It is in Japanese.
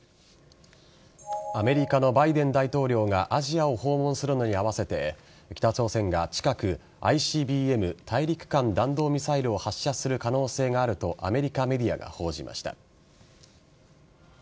アメリカのバイデン大統領がアジアを訪問するのに合わせて北朝鮮が近くＩＣＢＭ＝大陸間弾道ミサイルを発射する可能性があるとアメリカメディアが報じました。